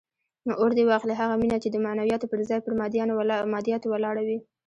اور دې واخلي هغه مینه چې د معنویاتو پر ځای پر مادیاتو ولاړه وي.